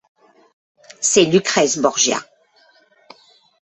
C’est Lucrèce Borgia!